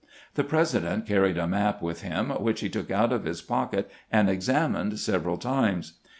The President carried a map with him, which he took out of his pocket and examined several times.